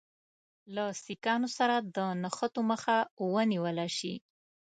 له سیکهانو سره د نښتو مخه ونیوله شي.